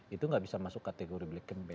itu gak bisa masuk kategori black campaign